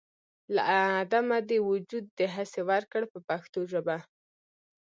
له عدمه دې وجود دهسې ورکړ په پښتو ژبه.